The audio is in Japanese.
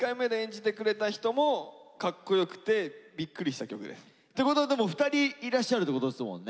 「名曲アルバム」ってことはでも２人いらっしゃるってことですもんね。